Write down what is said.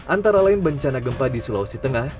antara lain bencana gempa di sulawesi tengah